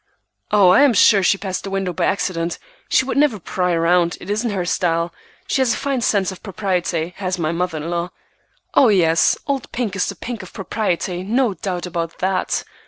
"Oh, I am sure she passed the window by accident. She would never pry around; it isn't her style; she has a fine sense of propriety, has my mother in law!" "Oh, yes, old Pink is the pink of propriety, no doubt about that!"